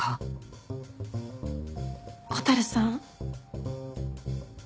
蛍さん。